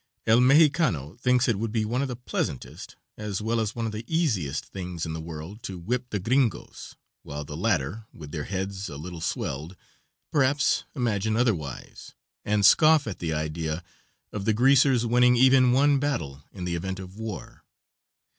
El Mexicano thinks it would be one of the pleasantest, as well as one of the easiest, things in the world to whip the "Gringoes," while the latter, with their heads a little swelled, perhaps, imagine otherwise, and scoff at the idea of the "Greasers" winning even one battle in the event of war.